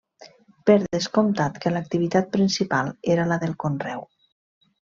Per descomptat que l'activitat principal era la del conreu.